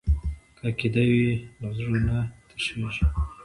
که عقیده وي نو زړه نه تشیږي.